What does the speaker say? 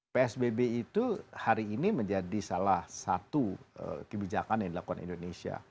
psbb itu hari ini menjadi salah satu kebijakan yang dilakukan indonesia